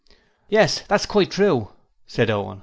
'Yes; that's quite true,' said Owen.